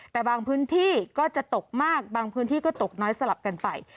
แต่บางพื้นที่ก็จะตกมากบางพื้นที่ก็ตกน้อยสลับกันไป